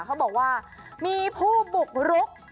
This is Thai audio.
เขาบอกว่ามีผู้บุกรุก